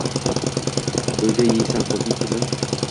Uyda yeysan, xoʻpmi, qizim?